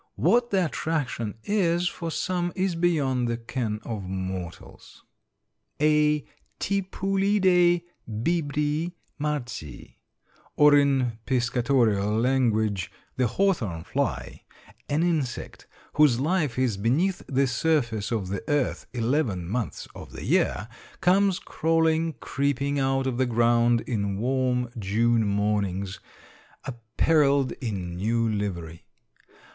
What the attraction is for some is beyond the ken of mortals. A Tipulidæ bibri marci, or in piscatorial language, the hawthorn fly, an insect whose life is beneath the surface of the earth eleven months of the year, comes crawling, creeping out of the ground on warm June mornings appareled in new livery.